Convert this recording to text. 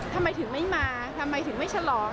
ทำไมถึงไม่มาทำไมถึงไม่ฉลอง